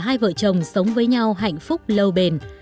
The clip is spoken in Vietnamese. hai vợ chồng sống với nhau hạnh phúc lâu bền